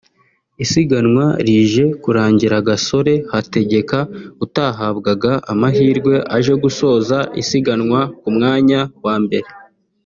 Isiganwa rije kurangira Gasore Hategeka utahabwaga amahirwe aje gusoza isiganwa ku mwanya wa mbere